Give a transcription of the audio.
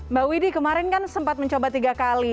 mbak widi kemarin kan sempat mencoba tiga kali